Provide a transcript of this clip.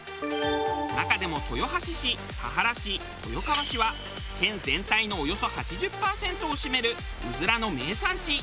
中でも豊橋市田原市豊川市は県全体のおよそ８０パーセントを占めるうずらの名産地。